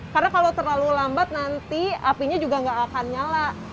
karena kalau terlalu lambat nanti apinya juga nggak akan nyala